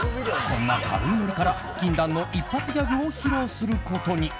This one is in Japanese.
こんな軽いノリから、禁断の一発ギャグを披露することに。